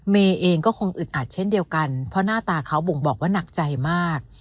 เมย์เองก็คงอึดอัดเช่นเดียวกันเพราะหน้าตาเขาบ่งบอกว่าหนักใจมาก